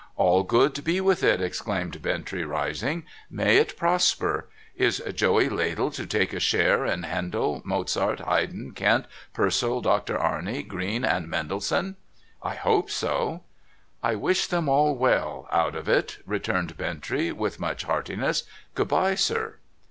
' All good be with it !' exclaimed Bintrey, rising. ' May it prosper ! Is Joey Ladle to take a share in Handel, Mozart, Haydn, Kent, Purcell, Doctor Arne, Greene, and Mendelssohn ?'' I hope so.' ' I wish them all well out of it,' returned Bintrey, with much heartiness. ' Good bye, sir.'